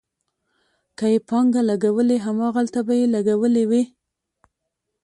که یې پانګه لګولې، هماغلته به یې لګولې وي.